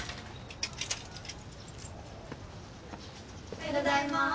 おはようございます。